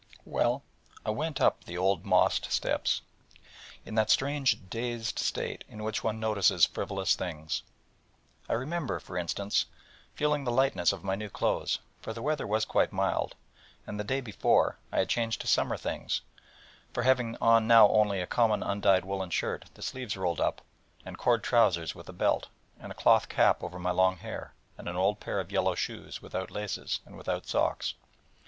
Well, I went up the old mossed steps, in that strange dazed state in which one notices frivolous things: I remember, for instance, feeling the lightness of my new clothes: for the weather was quite mild, and the day before I had changed to Summer things, having on now only a common undyed woollen shirt, the sleeves rolled up, and cord trousers, with a belt, and a cloth cap over my long hair, and an old pair of yellow shoes, without laces, and without socks.